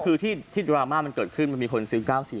คือที่ดราม่ามันเกิดขึ้นมันมีคนซื้อ๙๐